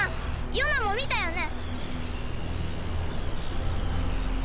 ヨナも見たよね？